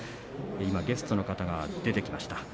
ゲストの方が出てきました。